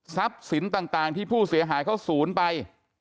สินต่างที่ผู้เสียหายเขาศูนย์ไป